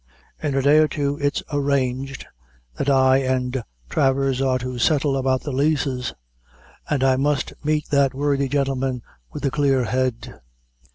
In a day or two it's arranged that I and Travers are to settle about the leases, and I must meet that worthy gentleman with a clear head."